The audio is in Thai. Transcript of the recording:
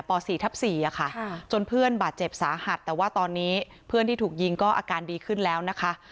ป๔ทับ๔ค่ะจนเพื่อนบาดเจ็บสาหัสแต่ว่าตอนนี้เพื่อนที่ถูกยิงก็อาการดีขึ้นแล้วนะคะ